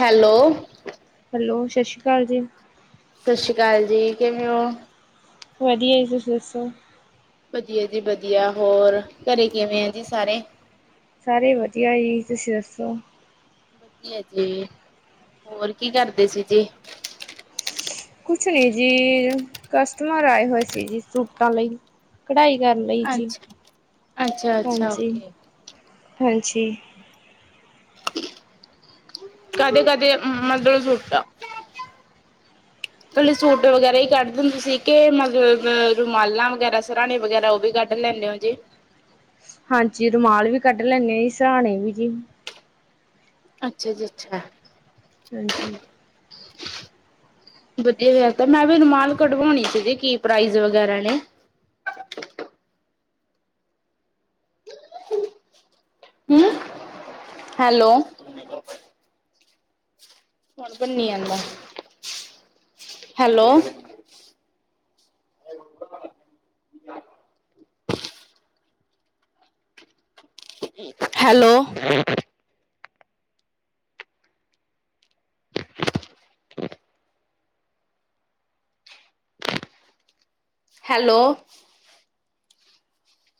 Hello hello, ਸਤਿ ਸ਼੍ਰੀ ਅਕਾਲ ਜੀ ਸਤਿ ਸ਼੍ਰੀ ਅਕਾਲ ਜੀ, ਕਿਵੇਂ ਉਂ। ਵਧੀਆ ਜੀ, ਤੁਸੀਂ ਦੱਸੋ। ਵਧੀਆ ਜੀ ਵਧੀਆ ਹੋਰ, ਘਰੇ ਕਿਵੇਂ ਐ ਜੀ ਸਾਰੇ। ਸਾਰੇ ਵਧੀਆ ਜੀ, ਤੁਸੀਂ ਦੱਸੋ। ਵਧੀਆ ਜੀ, ਹੋਰ ਕੀ ਕਰਦੇ ਸੀ ਜੀ। ਕੁਛ ਨਹੀਂ ਜੀ, ਕਸਟਮਰ ਆਏ ਹੋਏ ਸੀ ਜੀ ਸੂਟਾਂ ਲਈ। ਕਢਾਈ ਕਰਨ ਲਈ ਜੀ, ਅੱਛਾ ਅੱਛਾ ਅੱਛਾ ਹਾਂਜੀ, ਓਕੇ ਹਾਂਜੀ। ਕਦੇ ਕਦੇ ਮਤਲਬ ਸੂਟਾ [inaudible] ਕਲੇ ਸੂਟ ਵਗੈਰਾ ਹੀ ਕੱਢ ਦਿੰਦੇ ਸੀ ਕਿ ਮਤਲਬ ਰੁਮਾਲਾਂ ਵਗੈਰਾ ਸਰਾਣੇ ਵਗੈਰਾ ਉਹ ਵੀ ਕੱਢ ਲੈਂਦੇ ਹੋ ਜੀ। ਹਾਂਜੀ, ਰੁਮਾਲ ਵੀ ਕੱਢ ਲੈਂਦੇ ਹਾਂ, ਸਰਾਣੇ ਵੀ ਜੀ। ਅੱਛਾ ਜੀ ਅੱਛਾ ਹੋਰ ਜੀ ਵਧੀਆ ਹੋਇਆ ਫਿਰ ਤਾਂ ਮੈਂ ਵੀ ਰੁਮਾਲ ਕਢਵਾਉਣੀ ਸੀਗੇ, ਕੀ ਪ੍ਰਾਈਜ਼ ਵਗੈਰਾ ਨੇ। Hello hello. ਹੈਲੋ। [inaudible] ਹੈਲੋ।